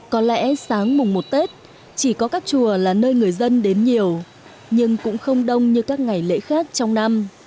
có lẽ sáng mùng một tết chỉ có các chùa là nơi người dân đến nhiều nhưng cũng không đông như các ngày lễ khác trong năm